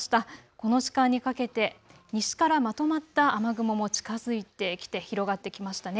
この時間にかけて西からまとまった雨雲も近づいて来て広がってきましたね。